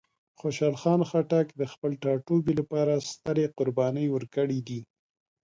خوشحال خان خټک د خپل ټاټوبي لپاره سترې قربانۍ ورکړې دي.